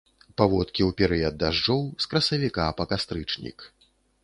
Паводкі ў перыяд дажджоў, з красавіка па кастрычнік.